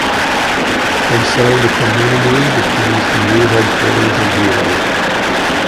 And so the commandery becomes the new headquarters of the order.